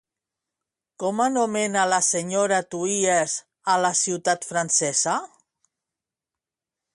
Com anomena la senyora Tuies a la ciutat francesa?